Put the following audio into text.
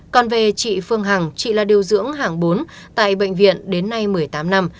còn về chị phương hằng chị là điều dưỡng hàng bốn tại bệnh viện đến nay một mươi tám năm